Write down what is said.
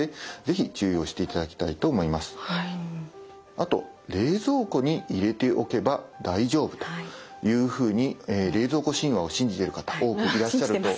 あと冷蔵庫に入れておけば大丈夫というふうに冷蔵庫神話を信じてる方多くいらっしゃると思います。